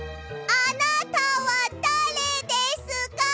あなたはだれですか？